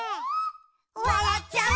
「わらっちゃう」